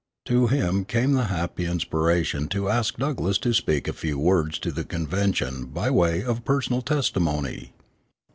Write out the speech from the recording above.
To him came the happy inspiration to ask Douglass to speak a few words to the convention by way of personal testimony.